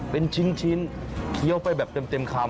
เป็นชิ้นเคี้ยวไปแบบเต็มคำ